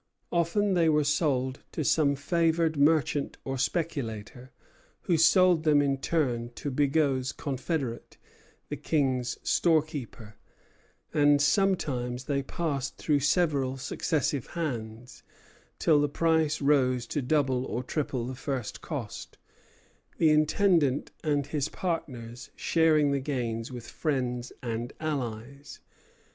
Often they were sold to some favored merchant or speculator, who sold them in turn to Bigot's confederate, the King's storekeeper; and sometimes they passed through several successive hands, till the price rose to double or triple the first cost, the Intendant and his partners sharing the gains with friends and allies.